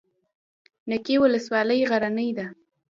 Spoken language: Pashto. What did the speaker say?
نکې ولسوالۍ غرنۍ ده؟